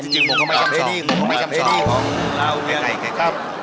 จริงผมก็ไม่ช้ำชอบ